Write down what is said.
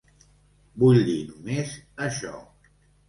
Vull dir només això.